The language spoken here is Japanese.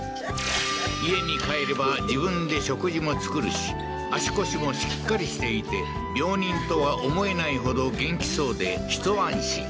家に帰れば自分で食事も作るし足腰もしっかりしていて病人とは思えないほど元気そうでひと安心